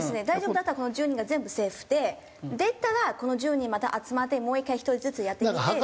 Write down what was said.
大丈夫だったらこの１０人が全部セーフで出たらこの１０人また集まってもう１回１人ずつやってみて。